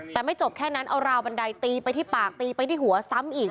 แต่ไม่จบแค่นั้นเอาราวบันไดตีไปที่ปากตีไปที่หัวซ้ำอีก